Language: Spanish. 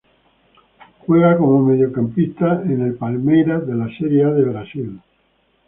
Juega como mediocampista en el Palmeiras de la Serie A de Brasil.